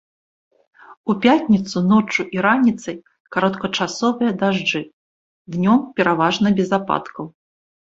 У пятніцу ноччу і раніцай кароткачасовыя дажджы, днём пераважна без ападкаў.